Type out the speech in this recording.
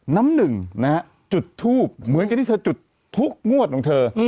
น้ำหนึ่งนะฮะจุดทูบเหมือนกับที่เธอจุดทุกงวดของเธอ